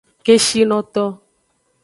Keshinoto.